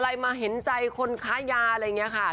อะไรมาเห็นใจคนค้ายาอะไรอย่างนี้ค่ะ